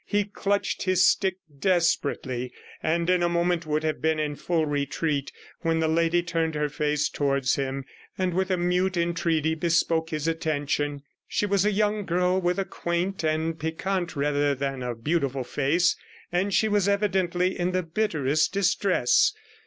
He clutched his stick desperately, and in a moment would have been in full retreat, when the lady turned her face towards him, and with a mute entreaty bespoke his attention. She was a young girl with a quaint and piquant rather than a beautiful face, and she was evidently in the bitterest distress.